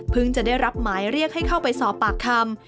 จะได้รับหมายเรียกให้เข้าไปสอบปากคำ